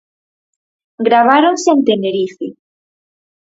Graváronse en Tenerife.